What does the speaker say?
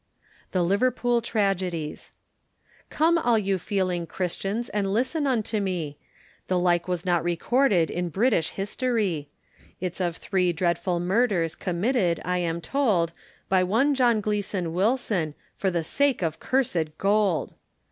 THE LIVERPOOL TRAGEDIES. Come all you feeling christians and listen unto me, The like was not recorded in British history, It's of three dreadful murders committed, I am told, By one John Gleeson Wilson, for the sake of cursed gold.